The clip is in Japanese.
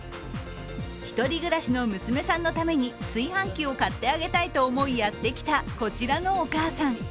１人暮らしの娘さんのために炊飯器を買ってあげたいと思いやってきたこちらのお母さん。